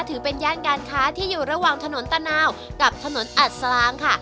ถือเป็นย่านการค้าที่อยู่ระหว่างถนนตะนาวกับถนนอัดสลางค่ะ